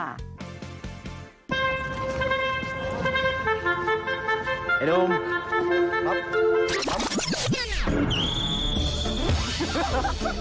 หายนุมครับครับ